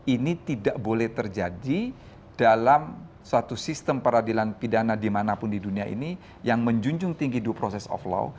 ini tidak boleh terjadi dalam suatu sistem peradilan pidana dimanapun di dunia ini yang menjunjung tinggi dua prosess of law